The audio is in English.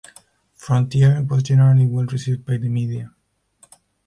"Frontier" was generally well received by the media.